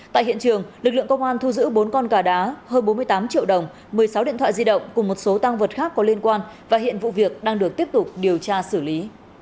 tại hiện trường lực lượng công an thu giữ bốn con gà đá hơn bốn mươi tám triệu đồng một mươi sáu điện thoại di động cùng một số tăng vật khác có liên quan và hiện vụ việc đang được tiếp tục điều tra xử lý